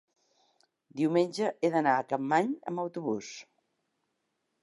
diumenge he d'anar a Capmany amb autobús.